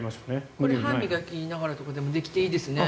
これ、歯を磨きながらでもできていいですね。